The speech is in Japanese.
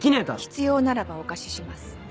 必要ならばお貸しします。